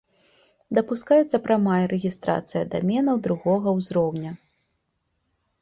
Дапускаецца прамая рэгістрацыя даменаў другога ўзроўня.